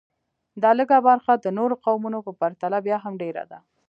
دا لږه برخه د نورو قومونو په پرتله بیا هم ډېره ده